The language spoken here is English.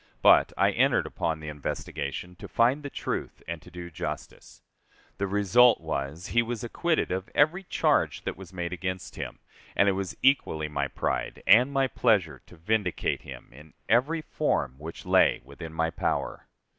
But I entered upon the investigation to find the truth and to do justice. The result was, he was acquitted of every charge that was made against him, and it was equally my pride and my pleasure to vindicate him in every form which lay within my power.